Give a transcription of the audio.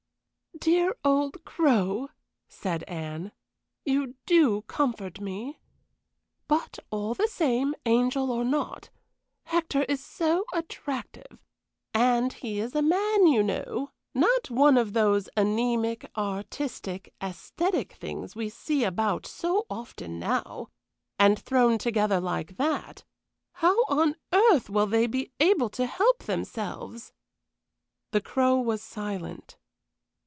"Dear old Crow!" said Anne; "you do comfort me. But all the same, angel or not, Hector is so attractive and he is a man, you know, not one of these anæmic, artistic, æsthetic things we see about so often now; and thrown together like that how on earth will they be able to help themselves?" The Crow was silent.